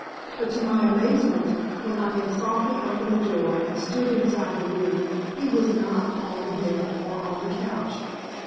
But to my amazement, when I had softly opened the door and stood inside the room, he was not upon the bed, or on the couch.